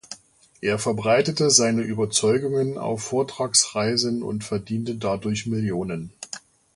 Er verbreitete seine Überzeugungen auf Vortragsreisen und verdiente dadurch Millionen.